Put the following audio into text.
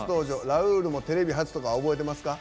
ラウールもテレビ初とか覚えてますか？